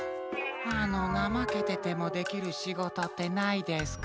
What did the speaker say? あのなまけててもできるしごとってないですか？